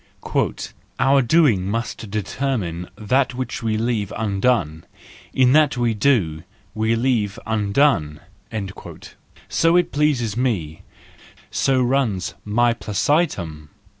" Our doing must determine what we leave undone; in that we do, we leave undone " —so it pleases me, so runs my placitum